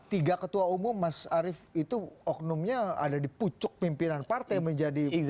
tiga ketua umum mas arief itu oknumnya ada di pucuk pimpinan partai menjadi